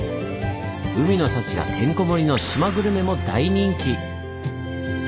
海の幸がてんこ盛りの島グルメも大人気！